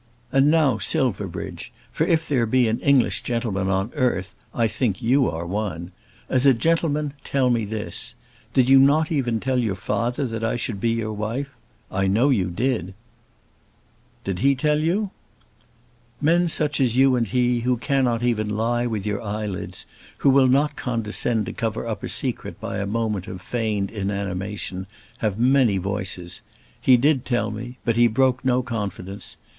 And now, Silverbridge, for if there be an English gentleman on earth I think that you are one, as a gentleman tell me this. Did you not even tell your father that I should be your wife? I know you did." "Did he tell you?" "Men such as you and he, who cannot even lie with your eyelids, who will not condescend to cover up a secret by a moment of feigned inanimation, have many voices. He did tell me; but he broke no confidence.